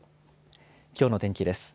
きょうの天気です。